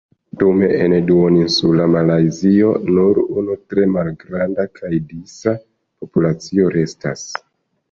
Dume en duoninsula Malajzio nur unu tre malgranda kaj disa populacio restas.